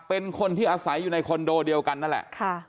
เป็นคนที่อาศัยอยู่ในคอนโดเดียวกันนั่นแหละ